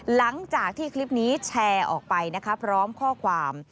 หลังจากที่คลิปนี้แชร์ออกไปนะคะพร้อมข้อความ